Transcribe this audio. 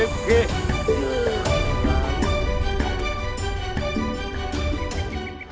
barang baik serious